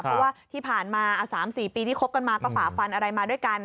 เพราะว่าที่ผ่านมา๓๔ปีที่คบกันมาก็ฝ่าฟันอะไรมาด้วยกัน